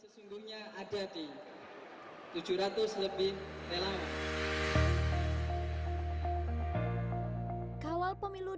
sesungguhnya ada di tujuh ratus lebih relawan